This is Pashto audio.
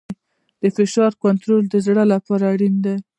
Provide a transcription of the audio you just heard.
د فشار کنټرول د زړه لپاره اړین دی.